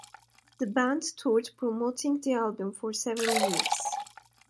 The band toured promoting the album for several years.